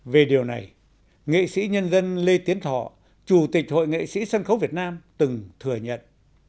về điều này nghệ sĩ nhân dân lê tiến thọ chủ tịch hội nghệ sĩ sân khấu việt nam từng thừa nhận